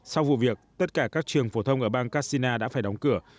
sau vụ việc tất cả các trường phổ thông ở bang kassina đã phải đóng cửa